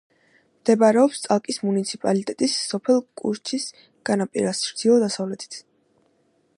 მდებარეობს წალკის მუნიციპალიტეტის სოფელ კუშჩის განაპირას, ჩრდილო-დასავლეთით.